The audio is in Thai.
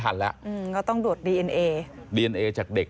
ที่บอกไปอีกเรื่อยเนี่ย